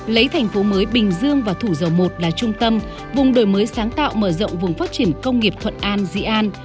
lấy thành phố mới bình dương và thủ dầu i là trung tâm vùng đổi mới sáng tạo mở rộng vùng phát triển công nghiệp thuận an dĩ an